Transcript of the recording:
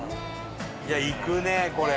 いやいくねこれ。